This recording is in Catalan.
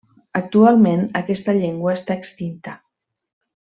Actualment aquesta llengua està extinta.